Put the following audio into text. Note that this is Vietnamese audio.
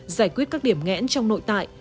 giải quyết các điểm nghẽn trong nội tại